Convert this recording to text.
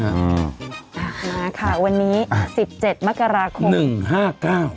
อ่ามาค่ะวันนี้สิบเจ็ดมกราคมหนึ่งห้าเก้า